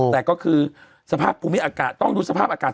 แต่ก็คือสภาพภูมิอากาศต้องดูสภาพอากาศ